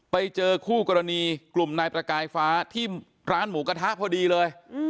ไปเจอคู่กรณีกลุ่มนายประกายฟ้าที่ร้านหมูกระทะพอดีเลย